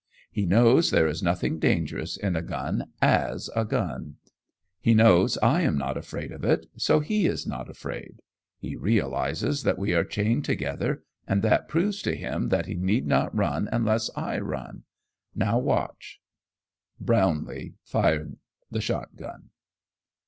He knows there is nothing dangerous in a gun as a gun. He knows I am not afraid of it, so he is not afraid. He realizes that we are chained together, and that proves to him that he need not run unless I run. Now watch." Brownlee fired the shotgun.